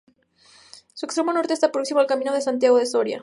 Su extremo Norte está próximo al Camino de Santiago de Soria.